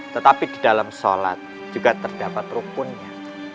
tetapi di dalam sholat juga terdapat rukunnya